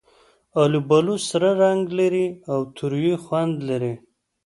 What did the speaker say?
آلوبالو سره رنګ لري او تریو خوند لري.